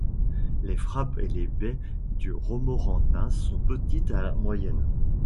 Les grappes et les baies du Romorantin sont petites à moyennes.